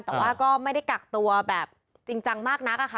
แต่ว่าก็ไม่ได้กักตัวแบบจริงจังมากนักอะค่ะ